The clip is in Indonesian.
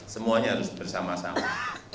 semuanya harus bersama sama